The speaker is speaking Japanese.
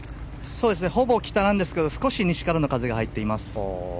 ほぼ北ですが少し西からの風が入っています。